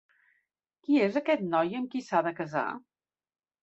Qui és aquest noi amb qui s'ha de casar?